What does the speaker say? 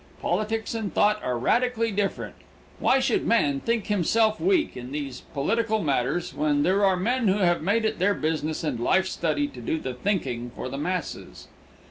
Politics and thought are radically different. Why should man think himself weak on these political matters when there are men who have made it their business and life study to do the thinking for the masses?